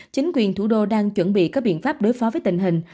chính quyền thủ đô đang chuẩn bị các biện pháp đối phó với tình hình